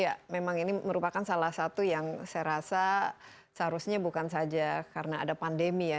ya memang ini merupakan salah satu yang saya rasa seharusnya bukan saja karena ada pandemi ya